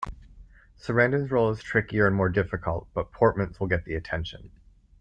Sarandon's role is trickier and more difficult, but Portman's will get the attention.